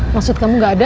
maksud kamu nggak ada